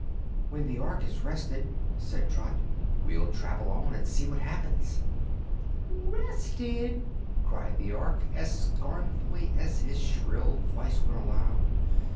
"When the Ork is rested," said Trot, "we'll travel on and see what happens." "Rested!" cried the Ork, as scornfully as his shrill voice would allow.